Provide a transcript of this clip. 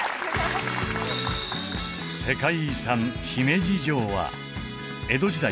世界遺産姫路城は江戸時代